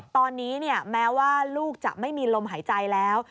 ตอนนี้แม้ว่าลูกจะไม่มีลมหายใจแล้ว